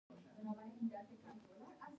نوې څانګې په کرنه کې رامنځته شوې.